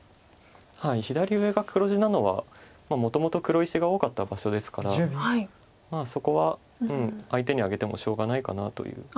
左上が黒地なのはもともと黒石が多かった場所ですからそこは相手にあげてもしょうがないかなという。